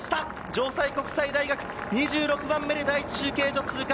城西国際大学、２６番目で第１中継所を通過。